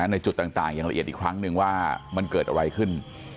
ในจุดต่างอย่างละเอียดอีกครั้งหนึ่งว่ามันเกิดอะไรขึ้น